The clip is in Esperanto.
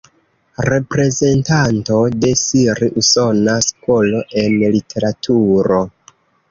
Reprezentanto de siri-usona skolo en literaturo.